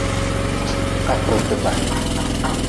Kakretba.